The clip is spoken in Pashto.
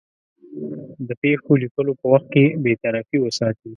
د پېښو لیکلو په وخت کې بېطرفي وساتي.